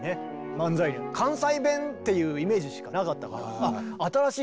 漫才関西弁っていうイメージしかなかったから新しいね